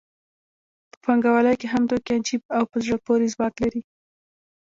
په پانګوالۍ کې هم توکي عجیب او په زړه پورې ځواک لري